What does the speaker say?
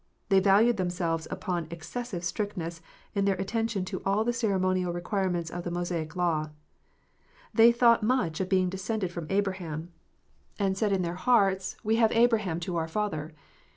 They valued themselves upon excessive strictness in their attention to all the ceremonial requirements of the Mosaic law. They thought much of being descended from Abraham, and said in their PHARISEES AND SADDUCEES. 329 hearts, "We have Abraham to our father."